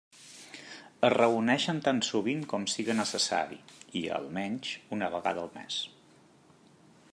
Es reunixen tan sovint com siga necessari i, almenys, una vegada al mes.